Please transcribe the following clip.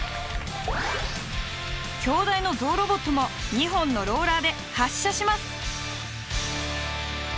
京大のゾウロボットも２本のローラーで発射します。